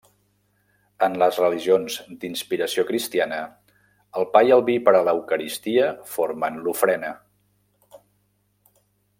En les religions d'inspiració cristiana, el pa i el vi per a l'eucaristia formen l'ofrena.